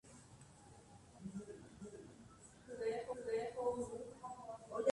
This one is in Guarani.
ha tesay pa'ũme he'ímiva'erã imembymíme